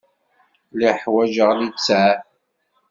Lliɣ ḥwaǧeɣ littseɛ.